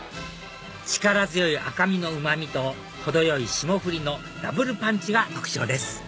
力強い赤身のうまみと程よい霜降りのダブルパンチが特徴です